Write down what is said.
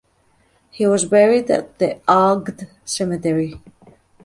He was buried at the Agde cemetery.